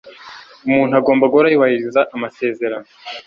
Umuntu agomba guhora yubahiriza amasezerano.